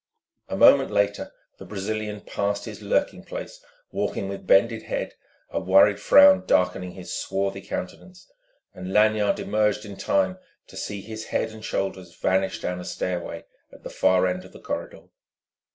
A moment later the Brazilian passed his lurking place, walking with bended head, a worried frown darkening his swarthy countenance; and Lanyard emerged in time to see his head and shoulders vanish down a stairway at the far end of the corridor.